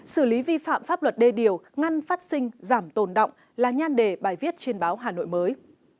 xử lý vi phạm pháp luật đê điều ngăn phát sinh giảm tồn động là nhan đề bài viết trên báo hà nội mới